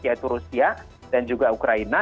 yaitu rusia dan juga ukraina